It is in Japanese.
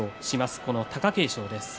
この貴景勝です。